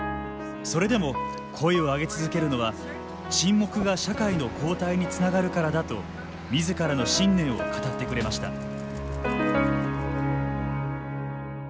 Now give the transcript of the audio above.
それでも声を上げ続けるのは沈黙が、社会の後退につながるからだとみずからの信念を語ってくれました。